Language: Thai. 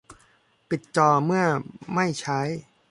ปิดจอเมื่อไม่ใช้